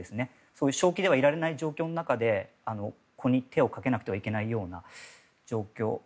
そういう正気ではいられない状況の中で子に手をかけなくてはいけないような状況。